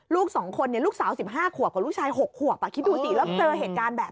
ลูกสองคนเนี้ยลูกสาวสิบห้าขวบกับลูกชายหกขวบอ่ะคิดดูสิแล้วเจอเหตุการณ์แบบ